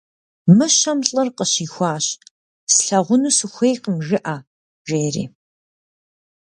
Мыщэм лӏыр къыщихуащ: - «Слъагъуну сыхуейкъым» жыӏэ, - жери.